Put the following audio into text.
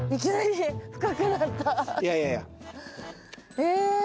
え。